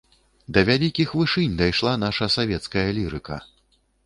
Да вялікіх вышынь дайшла наша савецкая лірыка.